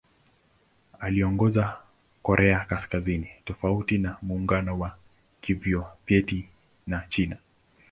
Aliongoza Korea Kaskazini tofauti na Muungano wa Kisovyeti na China.